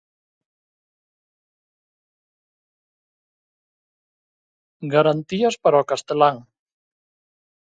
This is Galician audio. Garantías para o castelán.